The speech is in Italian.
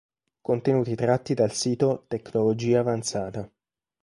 Contenuti tratti dal sito Tecnologia avanzata.